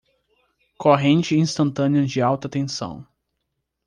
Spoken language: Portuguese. Corrente instantânea de alta tensão